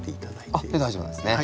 あっ大丈夫なんですね。